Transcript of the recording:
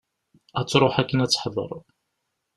Ad d-truḥ akken ad teḥder.